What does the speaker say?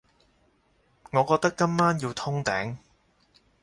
我覺得今晚要通頂